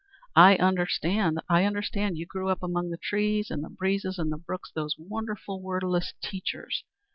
"I understand I understand. You grew up among the trees, and the breezes and the brooks, those wonderful wordless teachers.